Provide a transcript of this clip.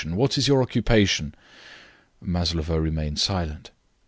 What was your occupation?" Maslova remained silent.